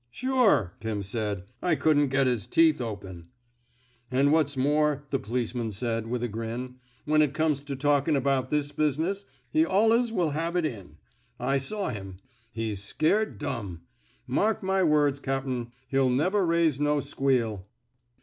'Sure,*^ Pirn said. I couldn't get his teeth open/' An' what's more," the policeman said, with a grin, *^ when it comes to talkin' about this business, he alius will have it in. I saw him. He's scared dumb. Mark my words, cap'n, he'll never raise no squeal."